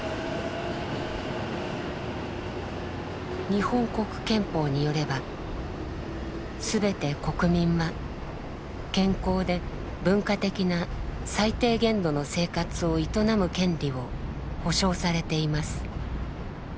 日本国憲法によればすべて国民は健康で文化的な最低限度の生活を営む権利を保障されています。